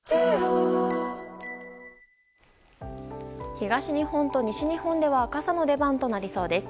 東日本と西日本では傘の出番となりそうです。